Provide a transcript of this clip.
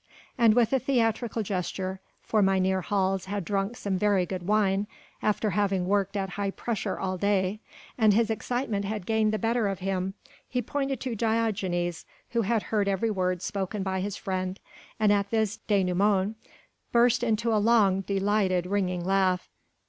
And with a theatrical gesture for Mynheer Hals had drunk some very good wine after having worked at high pressure all day, and his excitement had gained the better of him he pointed to Diogenes, who had heard every word spoken by his friend, and at this dénouement burst into a long, delighted, ringing laugh.